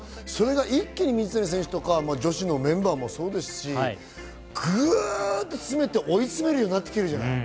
一気に水谷選手とか女子のメンバーもそうですし、グっと詰めて追い詰めるようになってきているじゃない？